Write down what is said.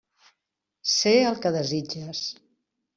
Sé el que desitges.